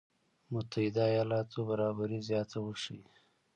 متحده ایالاتو برابري زياته وښيي.